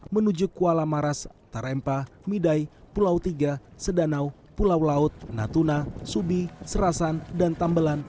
menuju kuala maras tarempa midai pulau tiga sedanau pulau laut natuna subi serasan dan tambelan